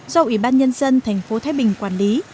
do ủy ban nhân dân thành phố thái bình quản lý